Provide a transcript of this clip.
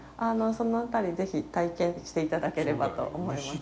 その辺りぜひ体験していただければと思います。